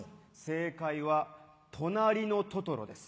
正解は『となりのトトロ』です。